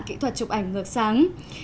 kỹ thuật chụp ảnh ngược sáng